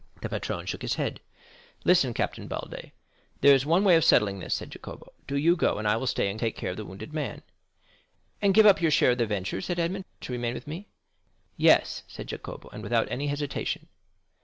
The patron shook his head. "Listen, Captain Baldi; there's one way of settling this," said Jacopo. "Do you go, and I will stay and take care of the wounded man." "And give up your share of the venture," said Edmond, "to remain with me?" "Yes," said Jacopo, "and without any hesitation."